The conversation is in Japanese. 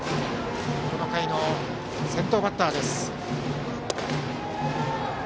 この回の先頭バッターです。